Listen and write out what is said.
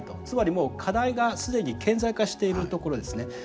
つまりもう課題が既に顕在化しているところですね。